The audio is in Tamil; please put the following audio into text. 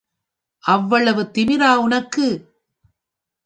அவ்வளவு திமிரா உனக்கு?